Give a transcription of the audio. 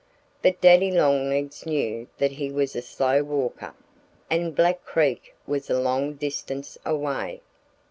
But Daddy Longlegs knew that he was a slow walker and Black Creek was a long distance away.